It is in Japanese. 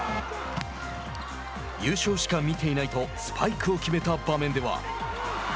優勝しか見ていないとスパイクを決めた場面では。